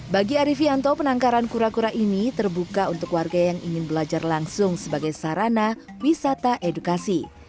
bagi arifianto penangkaran kura kura ini terbuka untuk warga yang ingin belajar langsung sebagai sarana wisata edukasi